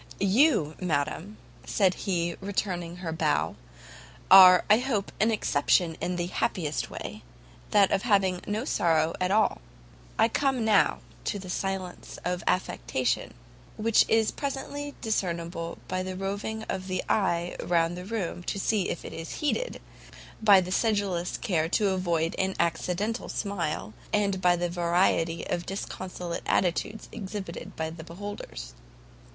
"You, madam," said he, returning her bow, "are I hope an exception in the happiest way, that of having no sorrow at all. I come, now, to the silence of affectation, which is presently discernible by the roving of the eye round the room to see if it is heeded, by the sedulous care to avoid an accidental smile, and by the variety of disconsolate attitudes exhibited to the beholders.